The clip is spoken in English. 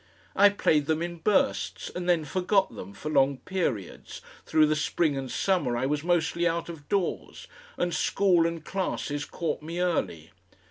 I played them in bursts, and then forgot them for long periods; through the spring and summer I was mostly out of doors, and school and classes caught me early.